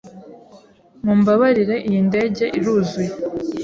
Mumbabarire, iyi ndege iruzuye.